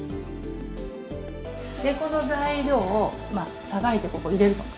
でこの材料をさばいてここ入れるの。